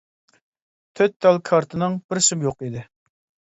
تۆت تال كارتىنىڭ بىرسىمۇ يوق ئىدى.